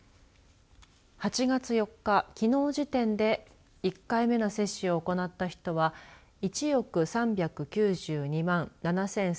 ８月４日、きのう時点で１回目の接種を行った人は１億３９２万７３６８